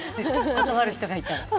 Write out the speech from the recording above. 断る人がいたら。